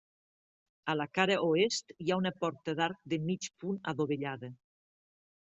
A la cara oest hi ha una porta d'arc de mig punt adovellada.